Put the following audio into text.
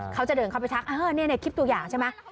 เขาจะเดินเข้าไปทักคลิปตัวอย่างใช่ไหม